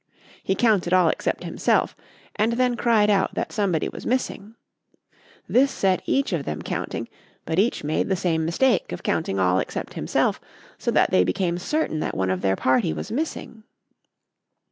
He counted all except himself, and then cried out that somebody was missing! This set each of them counting; but each made the same mistake of counting all except himself, so that they became certain that one of their party was missing!